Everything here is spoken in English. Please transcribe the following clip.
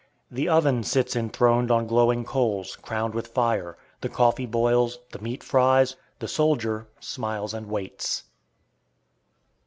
The oven sits enthroned on glowing coals, crowned with fire; the coffee boils, the meat fries, the soldier smiles and waits.